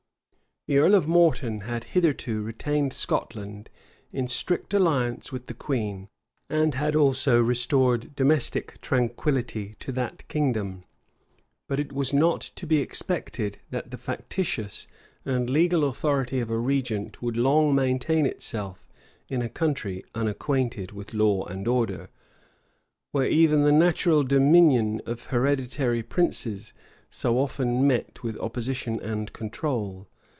The earl of Morton had hitherto retained Scotland in strict alliance with the queen, and had also restored domestic tranquility to that kingdom; but it was not to be expected, that the factitious and legal authority of a regent would long maintain itself in a country unacquainted with law and order; where even the natural dominion of hereditary princes so often met with opposition and control.